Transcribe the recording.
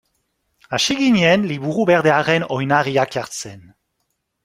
Hasi ginen Liburu Berdearen oinarriak jartzen.